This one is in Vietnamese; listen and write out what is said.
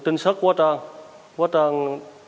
trinh sát quá trang